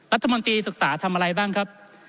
รัฐมนตรีศึกษาทำอะไรบ้างครับ